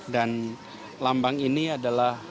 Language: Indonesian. dan lambang ini adalah